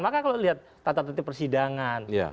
maka kalau lihat tata tertib persidangan